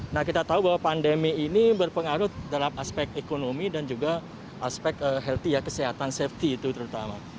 nah kita tahu bahwa pandemi ini berpengaruh dalam aspek ekonomi dan juga aspek healthy ya kesehatan safety itu terutama